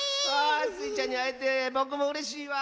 スイちゃんにあえてぼくもうれしいわ。